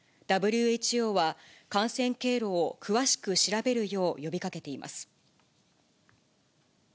ＷＨＯは、感染経路を詳しく調べるよう呼びかけています。